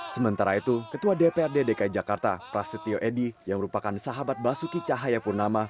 sementara itu ketua dprd dki jakarta prasetyo edy yang merupakan sahabat basuki cahayapurnama